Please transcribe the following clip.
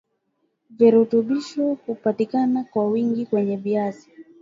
Virutubisho hupatika kwa wingi kwenye viazi